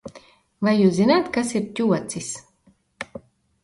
Vai Jūs zināt ,kas ir ķocis?